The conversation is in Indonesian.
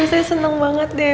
saya seneng banget deh